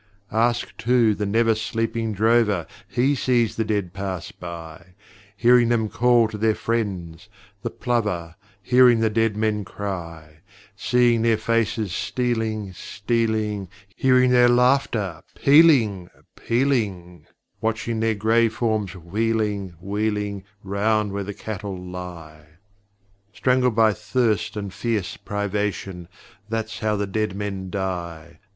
Ask, too, the never sleeping drover: He sees the dead pass by; Hearing them call to their friends the plover, Hearing the dead men cry; Seeing their faces stealing, stealing, Hearing their laughter, pealing, pealing, Watching their grey forms wheeling, wheeling Round where the cattle lie! Strangled by thirst and fierce privation That's how the dead men die!